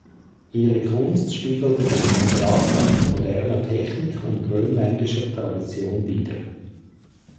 Ihre Kunst spiegelte den Kontrast aus moderner Technik und grönländischer Tradition wider.